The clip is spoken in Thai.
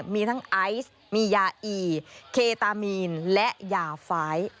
มีทั้งไอซ์มียาอีเคตามีนและยาไฟล์